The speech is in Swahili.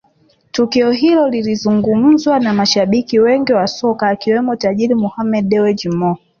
Tukio hilo lilizungumzwa na mashabiki wengi wa soka akiwemo tajiri Mohammed Dewji Mo